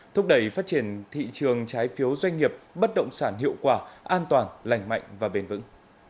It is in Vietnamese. thúc đẩy phát triển thị trường trái phiếu doanh nghiệp bất động sản hiệu quả an toàn lành mạnh và bền vững